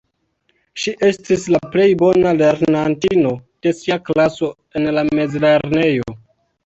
Ŝi estis la plej bona lernantino de sia klaso en la mezlernejo.